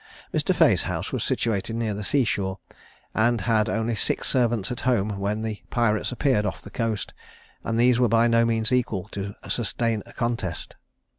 Mr. Fea's house was situated near the sea shore; he had only six servants at home when the pirates appeared off the coast; and these were by no means equal to sustain a contest.